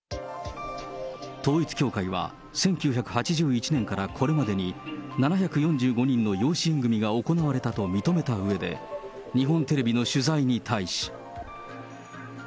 統一教会は、１９８１年からこれまでに７４５人の養子縁組が行われたと認めたうえで、日本テレビの取材に対し。